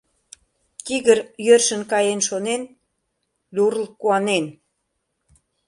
Тигр йӧршын каен шонен, Люрл куанен.